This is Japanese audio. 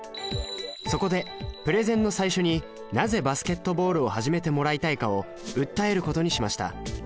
そこでプレゼンの最初になぜバスケットボールを始めてもらいたいかを訴えることにしました。